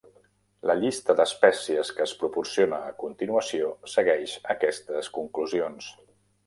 La llista d'espècies que es proporciona a continuació segueix aquestes conclusions.